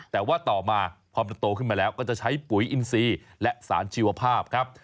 แต่ว่าต่อมาพอมันโตขึ้นมาแล้วก็จะใช้ปุ๋ยอินซีและสารชีวภาพครับ